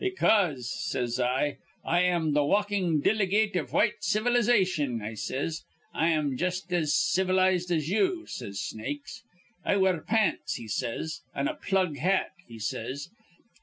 'Because,' says I, 'I am th' walkin' dilygate iv white civilization,' I says. 'I'm jus' as civilized as you,' says Snakes. 'I wear pants,' he says, 'an' a plug hat,' he says.